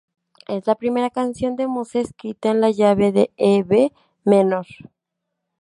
Es la primera canción de Muse escrita en la llave de E♭ menor.